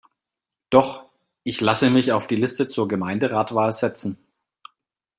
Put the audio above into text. Doch, ich lasse mich auf die Liste zur Gemeinderatwahl setzen.